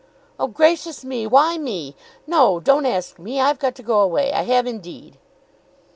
"Oh, gracious me! why me? No; don't ask me. I've got to go away. I have indeed."